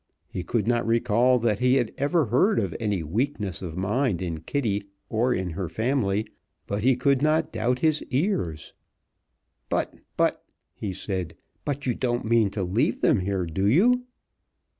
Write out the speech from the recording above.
He could not recall that he had ever heard of any weakness of mind in Kitty or in her family, but he could not doubt his ears. "But but " he said, "but you don't mean to leave them here, do you?"